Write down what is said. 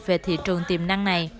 về thị trường tiềm năng này